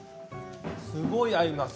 すごい合います。